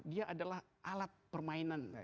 dia adalah alat permainan